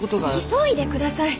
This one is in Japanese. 急いでください！